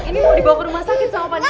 ini mau dibawa ke rumah sakit sama pandai